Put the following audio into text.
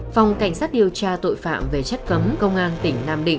phòng cảnh sát điều tra tội phạm về chất cấm công an tỉnh nam định